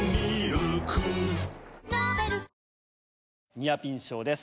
ニアピン賞です